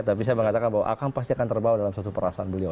tapi saya mengatakan bahwa akan pasti akan terbawa dalam suatu perasaan beliau